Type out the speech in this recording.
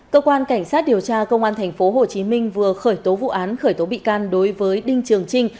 cơ quan cảnh sát điều tra công an tp hcm vừa khởi tố vụ án khởi tố bị can đối với đinh trường trinh